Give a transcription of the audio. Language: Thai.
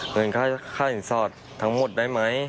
เงินค่าสินสอดทั้งหมดได้ไหม